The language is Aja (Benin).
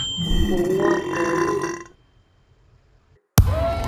O wo do ni.